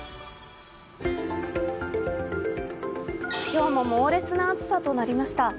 今日も猛烈な暑さとなりました。